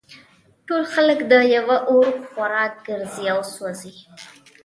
ټول خلک د یوه اور خوراک ګرځي او سوزي